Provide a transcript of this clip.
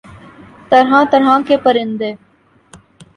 طرح طرح کے پرندے